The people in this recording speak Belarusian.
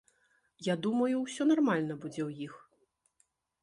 Я думаю, усё нармальна будзе ў іх.